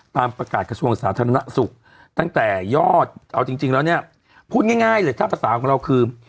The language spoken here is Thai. ตามประกาศกระทรวงสาธารณสุขตั้งแต่ยอดเอาจริงแล้วเนี่ยพูดง่ายเลยถ้าภาษาของเราคือ